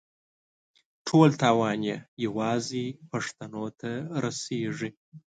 ټول تاوان یې یوازې پښتنو ته رسېږي.